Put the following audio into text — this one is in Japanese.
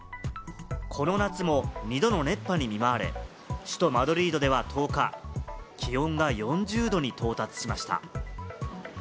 この夏も２度の熱波に見舞われ、首都マドリードでは１０日、気温が４０℃に到達しました。